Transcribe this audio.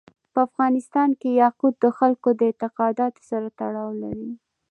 په افغانستان کې یاقوت د خلکو د اعتقاداتو سره تړاو لري.